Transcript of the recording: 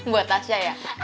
buat tasya ya